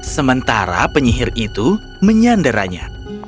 sementara penyihir itu menyandaranya